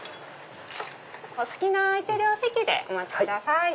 お好きな空いてるお席でお待ちください。